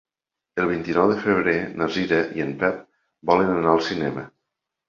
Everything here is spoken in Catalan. El vint-i-nou de febrer na Cira i en Pep volen anar al cinema.